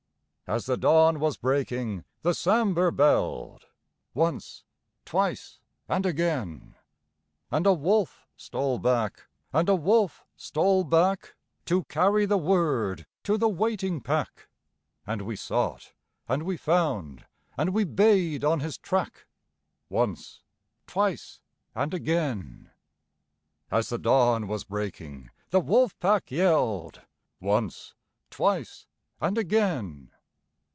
As the dawn was breaking the Sambhur belled Once, twice and again! And a wolf stole back, and a wolf stole back To carry the word to the waiting pack, And we sought and we found and we bayed on his track Once, twice and again! As the dawn was breaking the Wolf Pack yelled Once, twice and again!